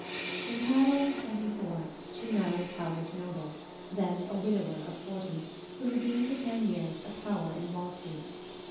When Caroline was twenty four she married Howard Noble, then a widower of forty, who had been for ten years a power in Wall Street.